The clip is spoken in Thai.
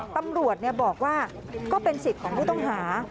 ตำรวจบอกว่าก็เป็นสิทธิ์ของผู้ต้องหา